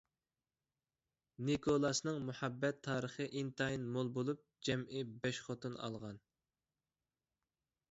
نىكولاسنىڭ مۇھەببەت تارىخى ئىنتايىن مول بولۇپ، جەمئىي بەش خوتۇن ئالغان.